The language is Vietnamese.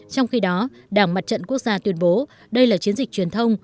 trong khi đó đảng mặt trận quốc gia tuyên bố đây là chiến dịch truyền thông